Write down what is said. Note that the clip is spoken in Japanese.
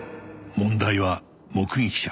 問題は目撃者